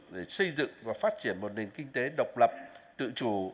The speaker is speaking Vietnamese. để xây dựng và phát triển một nền kinh tế độc lập tự chủ